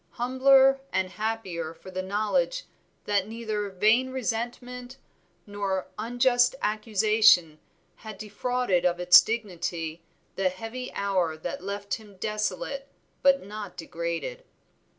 Humbler and happier for the knowledge that neither vain resentment nor unjust accusation had defrauded of its dignity, the heavy hour that left him desolate but not degraded.